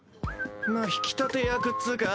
まあ引き立て役っつぅか。